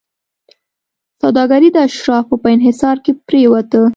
سوداګري د اشرافو په انحصار کې پرېوته.